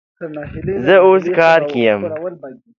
زه اوس کار کی یم